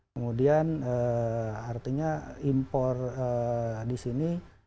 kemudian artinya impor di sini